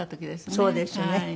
そうですよね。